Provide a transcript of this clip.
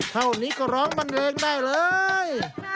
เท่านี้ก็ร้องมันเองได้เลย